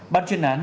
ban chuyên án